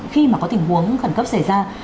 khi mà có tình huống khẩn cấp xảy ra